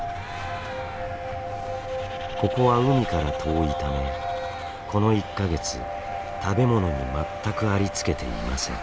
ここは海から遠いためこの１か月食べ物に全くありつけていません。